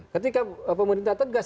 ketika pemerintah tegas